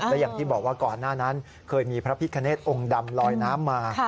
และอย่างที่บอกว่าก่อนหน้านั้นเคยมีพระพิคเนธองค์ดำลอยน้ำมา